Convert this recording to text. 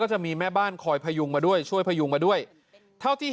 จะมีแม่บ้านคอยพยุงมาด้วยช่วยพยุงมาด้วยเท่าที่